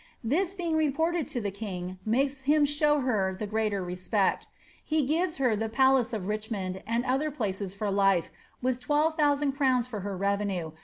This being repocted to the king makes him show her the greater respecL He gives her the police of Riclimond and other places for life, with 12,(XJ0 crowns for her revenue.